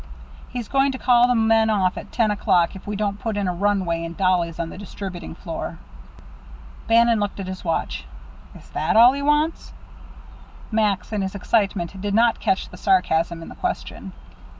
"He's going to call the men off at ten o'clock if we don't put in a runway and dollies on the distributing floor." Bannon looked at his watch. "Is that all he wants?" Max, in his excitement, did not catch the sarcasm in the question.